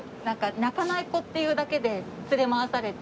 泣かない子っていうだけで連れ回されて。